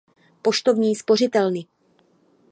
Poštovní spořitelny.